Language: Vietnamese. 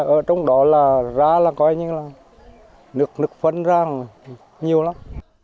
ở trong đó là ra là coi như là nước phấn ra nhiều lắm